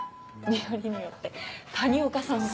よりによって谷岡さんが。